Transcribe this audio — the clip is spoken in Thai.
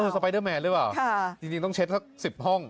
สไปเดอร์แมนหรือเปล่าจริงต้องเช็คสัก๑๐ห้อง